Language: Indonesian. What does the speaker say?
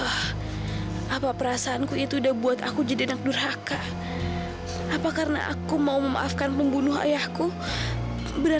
sampai jumpa di video selanjutnya